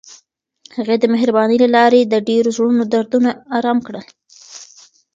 هغې د مهربانۍ له لارې د ډېرو زړونو دردونه ارام کړل.